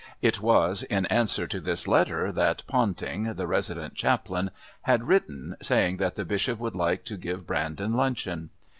It was in answer to this letter that Ponting, the Resident Chaplain, had written saying that the Bishop would like to give Brandon luncheon.